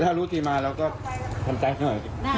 แต่ถ้ารู้ที่มาแล้วก็สำใจเอ่อ